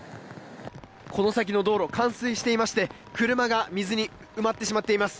この先の道路冠水していまして車が水に埋まってしまっています。